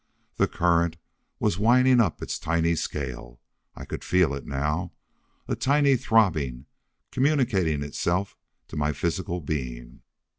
The current was whining up its tiny scale. I could feel it now. A tiny throbbing, communicating itself to my physical being.